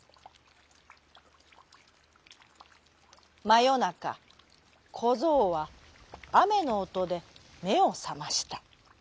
まよなかこぞうはあめのおとでめをさました。